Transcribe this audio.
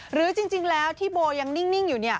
หรือจริงแล้วที่โบยังนิ่งอยู่